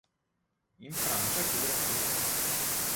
In Francia chiude la carriera.